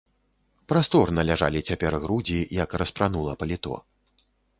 Прасторна ляжалі цяпер грудзі, як распранула паліто.